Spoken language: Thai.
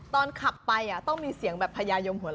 ตอนขับไปต้องมีเสียงแบบพญายมหัวเรา